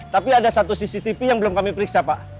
tapi ada satu cctv yang belum kami periksa pak